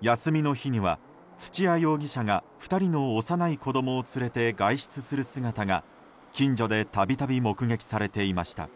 休みの日には、土屋容疑者が２人の幼い子供を連れて外出する姿が、近所で度々目撃されていました。